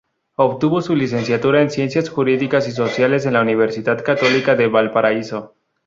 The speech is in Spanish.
Obtuvo su licenciatura en Ciencias Jurídicas y Sociales en la Universidad Católica de Valparaíso.